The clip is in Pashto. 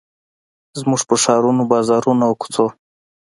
زموږ پر ښارونو، بازارونو، او کوڅو